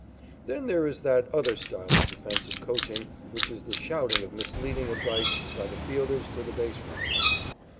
Then there is that other style of defensive coaching which is the shouting of misleading advice by the fielders to the base runners.